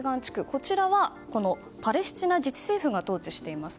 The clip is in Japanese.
こちらはパレスチナ自治政府が統治しています。